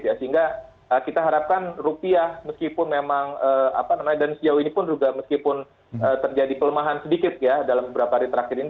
sehingga kita harapkan rupiah meskipun memang apa namanya dan sejauh ini pun juga meskipun terjadi pelemahan sedikit ya dalam beberapa hari terakhir ini